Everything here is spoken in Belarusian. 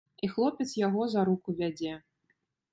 І хлопец яго за руку вядзе.